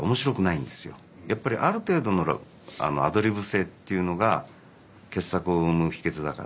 やっぱりある程度のアドリブ性っていうのが傑作を生む秘けつだから。